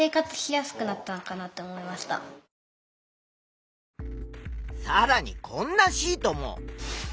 電気はさらにこんなシートも。